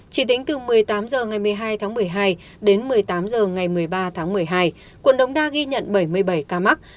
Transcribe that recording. chỉ tính từ một mươi tám h ngày một mươi hai tháng một mươi hai đến một mươi tám h ngày một mươi ba tháng một mươi hai quận đống đa ghi nhận bảy mươi bảy ca mắc